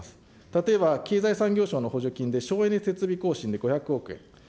例えば経済産業省の補助金で省エネ設備更新で５００億円。